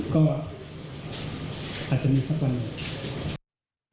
ก็อาจจะมีสักวันหนึ่ง